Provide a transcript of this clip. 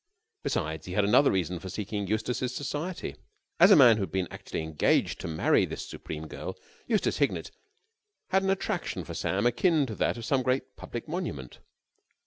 Besides, he had another reason for seeking Eustace's society. As a man who had been actually engaged to marry this supreme girl, Eustace Hignett had an attraction for Sam akin to that of some great public monument.